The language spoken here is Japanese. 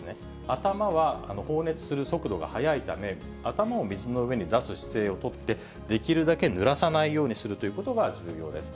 頭は放熱する速度が速いため、頭を水の上に出す姿勢を取って、できるだけぬらさないようにするということが重要です。